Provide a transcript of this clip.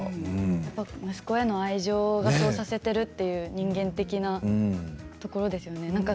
息子への愛情がそうさせているという人間的なところですよね。